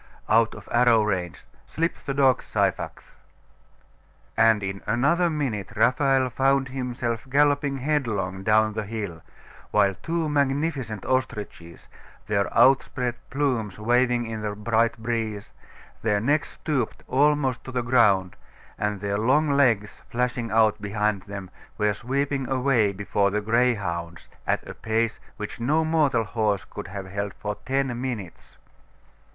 'Out of arrow range! Slip the dogs, Syphax!' And in another minute Raphael found himself galloping headlong down the hill, while two magnificent ostriches, their outspread plumes waving in the bright breeze, their necks stooped almost to the ground, and their long legs flashing out behind them, were sweeping away before the greyhounds at a pace which no mortal horse could have held for ten minutes.